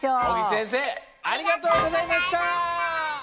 せんせいありがとうございました！